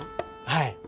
はい。